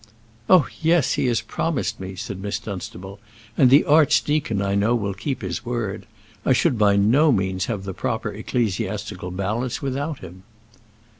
"Oh, yes, he has promised me," said Miss Dunstable; "and the archdeacon, I know, will keep his word. I should by no means have the proper ecclesiastical balance without him."